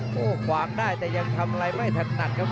โถ่ขวางได้แต่ยังทำอะไรไม่ถัดหนักครับ